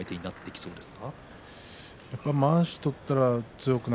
そうですか。